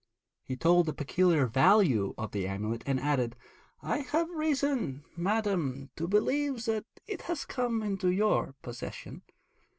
He told the peculiar value of the amulet, and added, 'I have reason, madam, to believe that it has come into your possession.